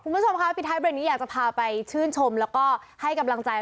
ผู้ชมคะวันที่นี้อยากจะพาไปชื่นชมแล้วก็ให้กำลังใจ